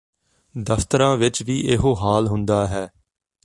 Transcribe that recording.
ਦਫ਼ਤਰਾਂ ਵਿਚ ਵੀ ਇਹੋ ਹਾਲ ਹੁੰਦਾ ਹੈ